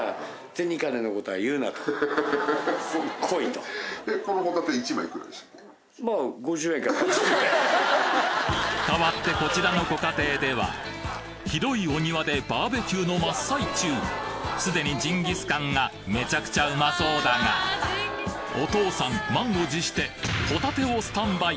とりあえず。変わってこちらのご家庭では広いお庭でバーベキューの真っ最中すでにジンギスカンがめちゃくちゃうまそうだがお父さん満を持してホタテをスタンバイ！